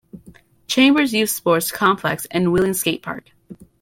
Chambers Youth Sports Complex and Wheeling Skate Park.